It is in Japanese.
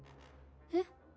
えっ？